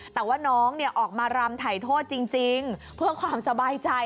แต่ว่าน้องออกมารำถ่ายโทษจริงเพื่อความสบายใจ